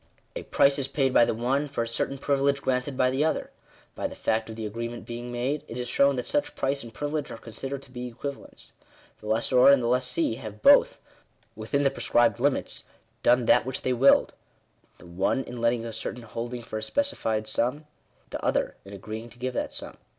A price is paid by the one, for a certain privilege granted by the other. By the fact of the agreement being made, it is shown that such price and privi lege are considered to be equivalents. The lessor and the lessee have both, within the prescribed limits, done that which they willed : the one in letting a certain holding for a specified sum ; the other in agreeing to give that sum.